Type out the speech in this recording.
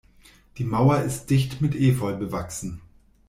Die Mauer ist dicht mit Efeu bewachsen.